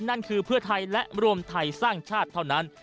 นั่นคือเพื่อไทยและรวมไทยสร้างชาติเท่านั้น